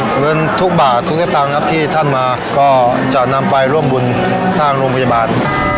เหมือนทุกบ่าทุกเงะตังค์ที่ท่านมาก็ก็จะนำไปร่วมบุญสร้างโรงพยาบาล